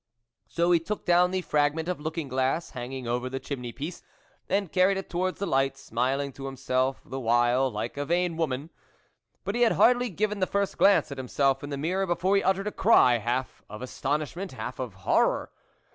So he took down the frag ment of looking glass hanging over the chimney piece, and carried it towards the light, smiling to himself the while like a vain woman. But he had hardly given the first glance at himself in the mirror, before he uttered a cry, half of astonish ment, half of horror.